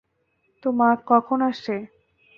তো, মার্ক কখন আসছে?